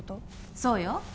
そうよ